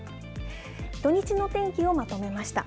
土日の天気をまとめました。